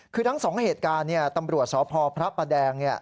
คือทั้ง๒เหตุการณ์ตำรวจสพพระประแดง